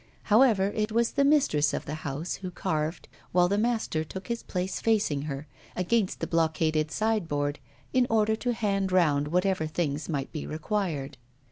However, it was the mistress of the house who carved, while the master took his place facing her, against the blockaded sideboard, in order to hand round whatever things might be required.